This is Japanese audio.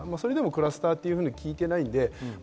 それでもクラスターは聞いていません。